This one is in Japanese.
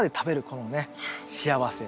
このね幸せ。